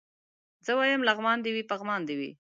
زه وايم لغمان دي وي پغمان دي وي